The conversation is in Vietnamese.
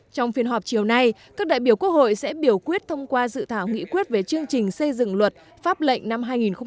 trong phiên họp chiều nay các đại biểu quốc hội sẽ biểu quyết thông qua dự thảo nghị quyết về chương trình xây dựng luật pháp lệnh năm hai nghìn một mươi chín